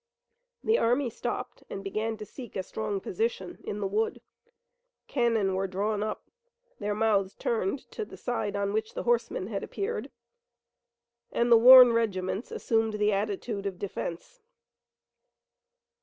The army stopped and began to seek a strong position in the wood. Cannon were drawn up, their mouths turned to the side on which the horsemen had appeared, and the worn regiments assumed the attitude of defense.